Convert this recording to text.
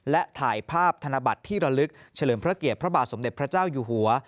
และถ่ายภาพธนบัตรที่ระลึกเฉลิมพระเกียรติพระบาทสมเด็จพระเจ้าอยู่หัว